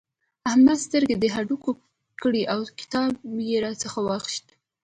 احمد سترګې د هډوکې کړې او کتاب يې راڅخه واخيست.